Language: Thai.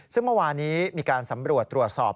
ซึ่งเมื่อวานี้มีการสำรวจตรวจสอบ